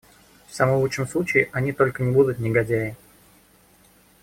В самом лучшем случае они только не будут негодяи.